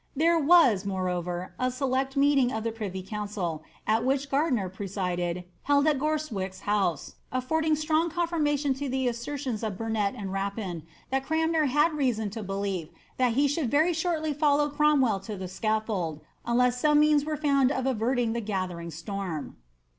There W3&. moreover, a select meeting of the privy council, at which Gardiner [»«• sided, held at Gorstwick's house, affording strong confirmation (o the assertions of Burnet and Rapin, that Cranmer had reason to believe tbit he should very shortly follow Cromwell to the scaflbld, tmless woat means were found of averting the gathering storm.